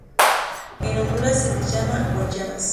En Honduras se les llama "guayabas".